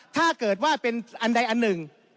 ถ้าเกิดว่าเป็นอันใดอันหนึ่ง